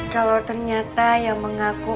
kalau ternyata yang mengaku